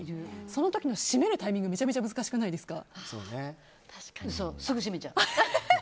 その時の閉めるタイミングめちゃめちゃ難しくないですか？